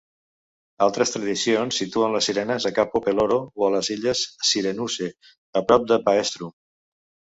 Altres tradicions situen les sirenes a Capo Peloro o a les illes Sirenuse a prop de Paestum.